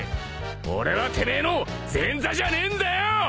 俺はてめえの前座じゃねえんだよ！